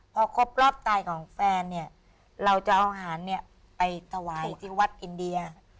พอครบรอบตายของแฟนเนี่ยเราจะเอาอาหารเนี่ยไปถวายที่วัดอินเดีย